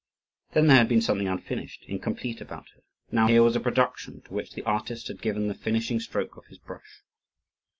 Then there had been something unfinished, incomplete, about her; now here was a production to which the artist had given the finishing stroke of his brush.